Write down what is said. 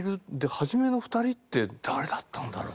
初めの２人って誰だったんだろう？